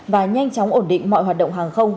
và nhanh chóng ổn định mọi hoạt động hàng không